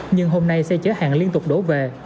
nhưng hôm nay xe chở hàng liên tục đổ về